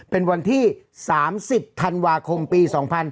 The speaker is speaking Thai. เป็นวันที่๓๐ธันวาคมปี๒๕๕๙